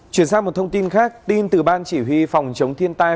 chuyển sang một thông tin khác tin từ ban chỉ huy phòng chống thiên tai